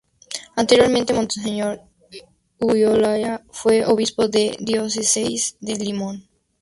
Anteriormente Monseñor Ulloa fue Obispo de la Diócesis de Limón.